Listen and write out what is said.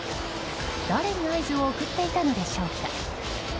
誰に合図を送っていたのでしょうか。